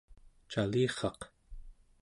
calirraq